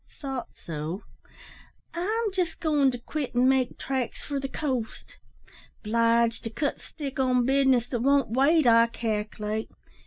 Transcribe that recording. "Thought so. I'm jest goin' to quit an' make tracks for the coast. 'Bliged to cut stick on business that won't wait, I calc'late.